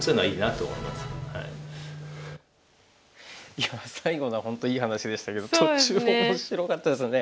いや最後のは本当いい話でしたけど途中面白かったですね。